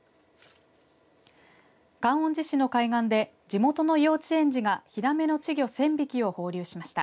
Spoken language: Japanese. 観音寺市の海岸で地元の幼稚園児がヒラメの稚魚１０００匹を放流しました。